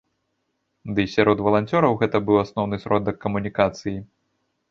Дый сярод валанцёраў гэта быў асноўны сродак камунікацыі.